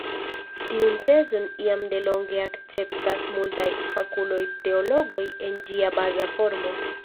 Tiun tezon jam delonge akceptas multaj fakuloj-teologoj en ĝia baza formo.